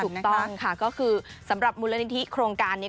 ถูกต้องค่ะก็คือสำหรับมูลนิธิโครงการนี้